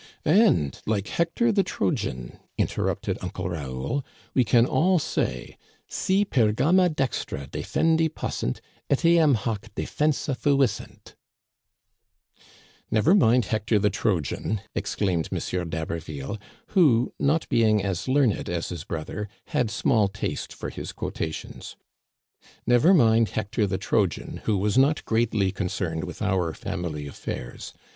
And, like Hector the Trojan," interrupted Uncle Raoul, " we can all say : Si Pergama dexira Defendi possent^ etiam hâc defensa fuissent, "Never mind Hector the Trojan," exclaimed M. d'Haberville who, not being as learned as his broth er, had small taste for his quotations. Never mind Hector the Trojan, who was not greatly concerned with our family affairs.